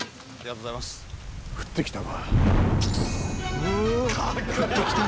降ってきたか。